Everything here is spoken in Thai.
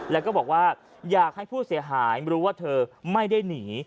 แล้วก็บอกว่าอยากให้ผู้เสียหายรู้ว่าเธอไม่ได้หนี